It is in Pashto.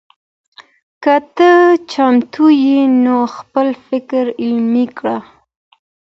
که ته چمتو یې نو خپل فکر عملي کړه.